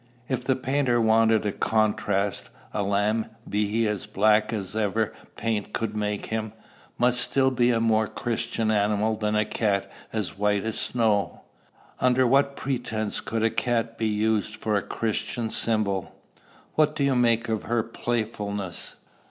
"If the painter wanted a contrast, a lamb, be he as black as ever paint could make him, must still be a more Christian animal than a cat as white as snow. Under what pretence could a cat be used for a Christian symbol?" "What do you make of her playfulness?"